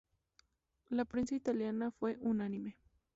La prensa italiana fue unánime.